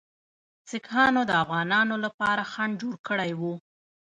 سیکهانو د افغانانو لپاره خنډ جوړ کړی وو.